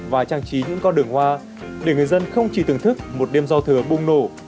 và trang trí những con đường hoa để người dân không chỉ thưởng thức một đêm giao thừa bung nộ